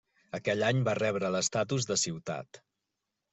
Aquell any va rebre l'estatus de ciutat.